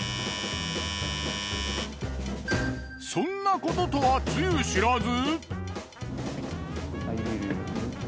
そんなこととはつゆ知らず。